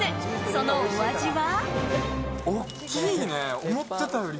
そのお味は？